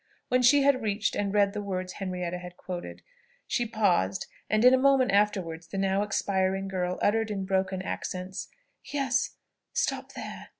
When she had reached, and read the words Henrietta had quoted, she paused, and in a moment afterwards the now expiring girl uttered in broken accents, "Yes, stop there.